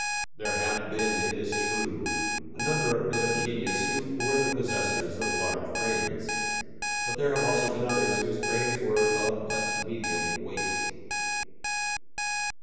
There have been, it is true, a number of men of genius who were the possessors of large brains, but there have also been others whose brains were of but medium weight.